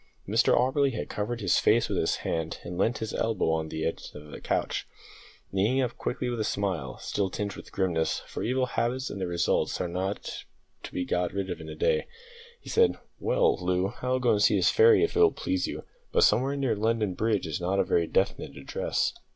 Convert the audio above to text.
Mr Auberly had covered his face with his hand, and leant his elbow on the head of the couch. Looking up quickly with a smile still tinged with grimness, for evil habits and their results are not to be got rid of in a day he said: "Well, Loo, I will go to see this fairy if it will please you; but somewhere near London Bridge is not a very definite address."